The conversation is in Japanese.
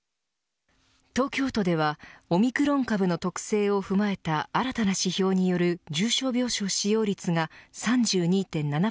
東京都ではオミクロン株の特性を踏まえた新たな指標による重症病床使用率が３２．７％